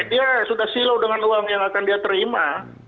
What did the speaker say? dia sudah silau dengan uang yang akan dia terima